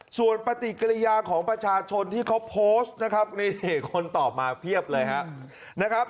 ส่วนปฏิกิริยาของประชาชนที่เขาโพสต์นะครับนี่คนตอบมาเพียบเลยนะครับ